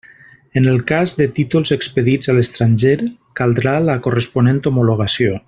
En el cas de títols expedits a l'estranger, caldrà la corresponent homologació.